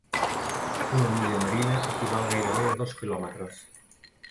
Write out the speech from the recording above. Una milla marina equival gairebé a dos quilòmetres.